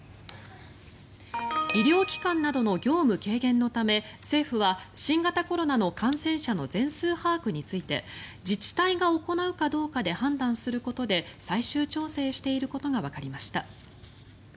医療機関などの業務軽減のため政府は、新型コロナの感染者の全数把握について自治体が行うかどうかで判断することで最終調整していることがわかりました。